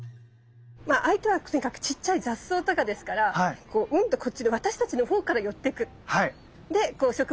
まあ相手はとにかくちっちゃい雑草とかですからこううんとこっちで私たちのほうから寄ってく。